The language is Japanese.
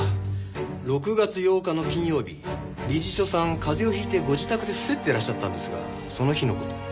６月８日の金曜日理事長さん風邪を引いてご自宅で臥せってらっしゃったんですがその日の事を。